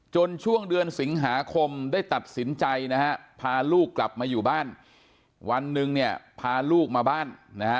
ช่วงเดือนสิงหาคมได้ตัดสินใจนะฮะพาลูกกลับมาอยู่บ้านวันหนึ่งเนี่ยพาลูกมาบ้านนะฮะ